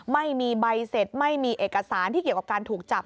ไม่มีใบเสร็จไม่มีเอกสารที่เกี่ยวกับการถูกจับ